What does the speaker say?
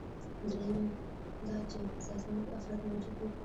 دریم دا چې په سازمان کې افراد موجود وي.